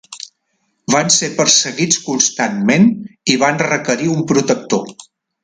Van ser perseguits constantment i van requerir un protector.